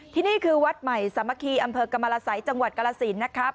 นี่คือวัดใหม่สามัคคีอำเภอกรรมรสัยจังหวัดกรสินนะครับ